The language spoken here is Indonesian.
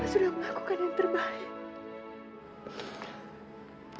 sudah melakukan yang terbaik